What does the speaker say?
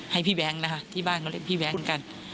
ให้พี่แบงค์นะคะที่บ้านเขาเรียกพี่แบงค์กัน